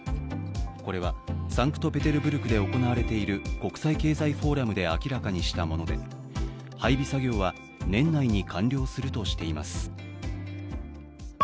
これは、サンクトペテルブルクで行われている国際経済フォーラムで明らかにしたもので、配備作業は年内に完了するとしています。